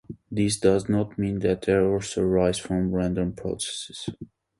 This does not mean that errors arise from random processes.